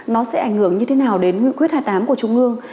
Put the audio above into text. nó sẽ ảnh hưởng như thế nào đến nguyên quyết hai mươi tám của trung ương